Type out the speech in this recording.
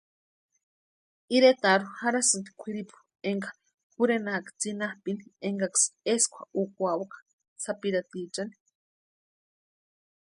Iretarhu jarhasïnti kwíripu énka jurhenaaka tsinapʼini énkaksï eskwa úkwaka sapirhatichani.